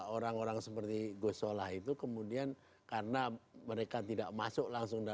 orang orang seperti gus solah itu kemudian karena mereka tidak masuk langsung